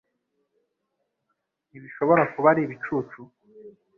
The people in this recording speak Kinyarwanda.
Ntibishobora kuba ari ibicucu